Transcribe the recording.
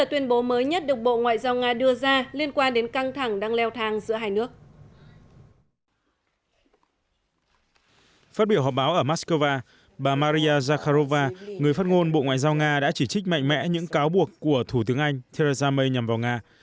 phát biểu họp báo ở moscow bà maria zakharova người phát ngôn bộ ngoại giao nga đã chỉ trích mạnh mẽ những cáo buộc của thủ tướng anh theresa may nhằm vào nga